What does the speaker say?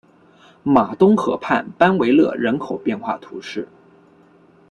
马东河畔班维勒人口变化图示